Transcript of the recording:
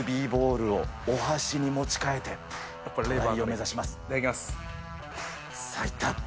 ラグビーボールをお箸に持ち替えてトライを目指します。